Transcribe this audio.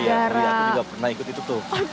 aku juga pernah ikut itu tuh